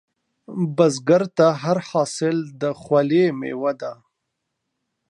بزګر ته هر حاصل د خولې میوه ده